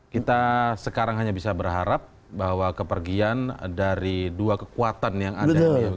kita sekarang hanya bisa berharap bahwa kepergian dari dua kekuatan yang ada